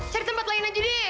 cari tempat lain aja deh